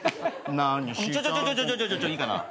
ちょちょいいかな？